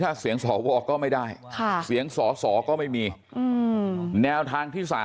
ถ้าเสียงสวก็ไม่ได้เสียงสอสอก็ไม่มีแนวทางที่๓